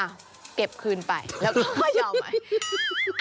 อ้าวเก็บคืนไปแล้วก็ไปเอาใหม่